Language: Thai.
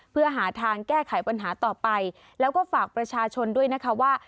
เพื่อหาทางแก้ไขปัญหาต่อไปแล้วก็ฝากประชาชนด้วยนะคะว่า